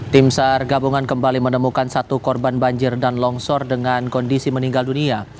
tim sar gabungan kembali menemukan satu korban banjir dan longsor dengan kondisi meninggal dunia